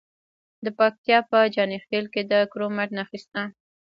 د پکتیا په جاني خیل کې د کرومایټ نښې شته.